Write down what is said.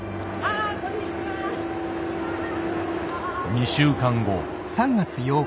２週間後。